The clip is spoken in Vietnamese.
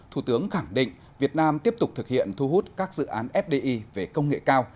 thủ tướng khẳng định việt nam tiếp tục thực hiện thu hút các dự án fdi về công nghệ cao